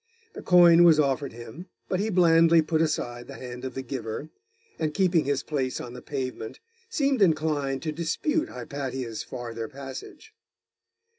The coin was offered him, but he blandly put aside the hand of the giver, and keeping his place on the pavement, seemed inclined to dispute Hypatia's farther passage.